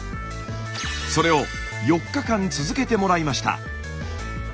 それを４日間続けてもらいました。